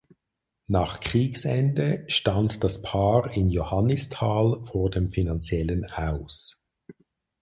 Nach Kriegsende stand das Paar in Johannisthal vor dem finanziellen Aus.